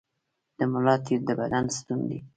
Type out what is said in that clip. د ملا تیر د بدن ستون دی